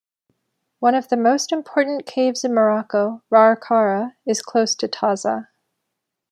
One of the most important caves in Morocco, Rhar Chara, is close to Taza.